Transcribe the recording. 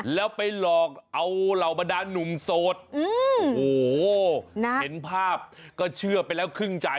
แล้วไปหลอกเอาเหล่าบรรดานหนุ่มโสดโอ้โหเห็นภาพก็เชื่อไปแล้วครึ่งใจ